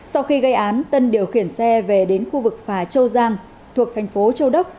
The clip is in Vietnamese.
sau khi gây án tân điều khiển xe về đến khu vực phà châu giang thuộc thành phố châu đốc